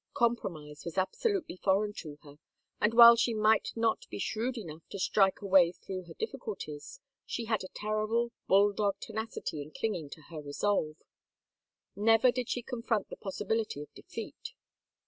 Compromise was absolutely foreign to her and while she might not be shrewd enough to strike a way through her difficulties she had a terrible, bulldog tenacity in clinging to her resolve. Never did she confront the possibility of defeat.